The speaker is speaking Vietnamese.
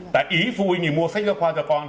tại ý phụ huynh thì mua sách giáo khoa cho con